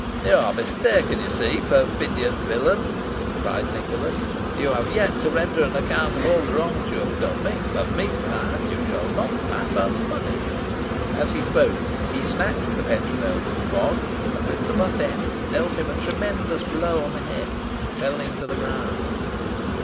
"You are mistaken, you see, perfidious villain," cried Nicholas. "You have yet to render an account of all the wrongs you have done me, but meantime you shall not pass unpunished." And as he spoke, he snatched the petronel from Fogg, and with the but end dealt him a tremendous blow on the head, felling him to the ground.